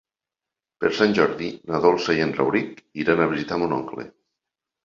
Per Sant Jordi na Dolça i en Rauric iran a visitar mon oncle.